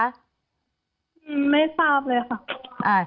ไม่ทราบเลยค่ะ